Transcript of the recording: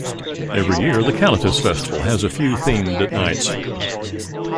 Every year the Callatis Festival has a few themed nights.